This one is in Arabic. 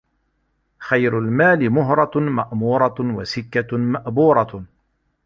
خَيْرُ الْمَالِ مُهْرَةٌ مَأْمُورَةٌ وَسِكَّةٌ مَأْبُورَةٌ